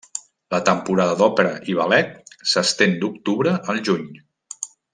La temporada d'òpera i ballet s'estén d'octubre al juny.